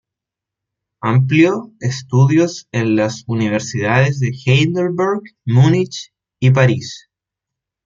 Amplió estudios en las Universidades de Heidelberg, Múnich y París.